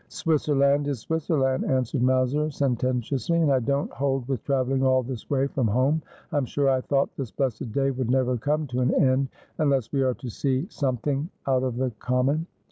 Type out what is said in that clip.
' Swisserland is Swisserland,' answered Mowser senten tiously, 'and I don't hold with travelling all this way from home — I'm sure I thought this blessed day would never come to an end — unless we are to see somethink out of the common.'